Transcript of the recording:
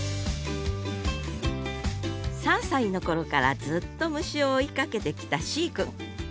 ３歳の頃からずっと虫を追いかけてきた四位くん。